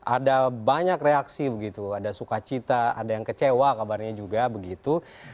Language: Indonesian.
ada banyak reaksi begitu ada sukacita ada yang kecewa kabarnya juga begitu